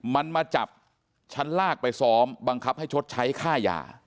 มันมาจับชั้นลากไปซ้อมบังคับให้ชดใช้ค่ายา